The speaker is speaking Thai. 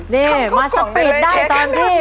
นี่มาสปีดได้ตอนที่